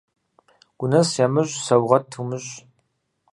Гунэс ямыщӀ саугъэт умыщӀ.